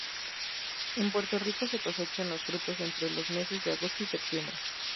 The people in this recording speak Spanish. En Puerto Rico se cosechan los frutos entre los meses de agosto y septiembre.